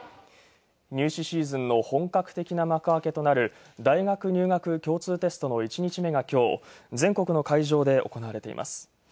入試シーズンの本格的な幕開けとなる大学入学共通テストの１日目がきょう、全国の会場で行われています。